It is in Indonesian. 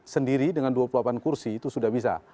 sendiri dengan dua puluh delapan kursi itu sudah bisa